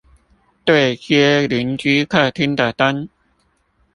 對街鄰居客廳的燈